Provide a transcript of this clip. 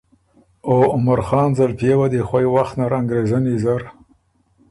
او عمرخان زلپئے وه دی خوئ وخت نر انګرېزنی زر